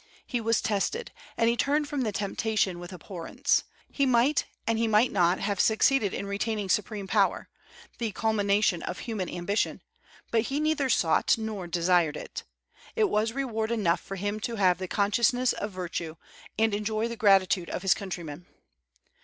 He was tested, and he turned from the temptation with abhorrence. He might, and he might not, have succeeded in retaining supreme power, the culmination of human ambition; but he neither sought nor desired it. It was reward enough for him to have the consciousness of virtue, and enjoy the gratitude of his countrymen.